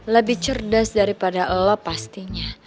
lebih cerdas daripada allah pastinya